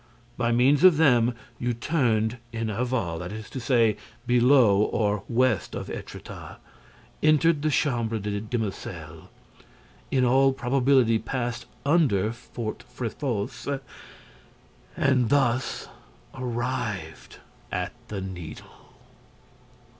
By means of them, you turned en aval, that is to say, below or west of Étretat, entered the Chambre des Demoiselles, in all probability passed under Fort Fréfossé and thus arrived at the Needle.